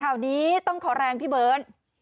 อันนี้ต้องขอแรงพี่เบิร์ท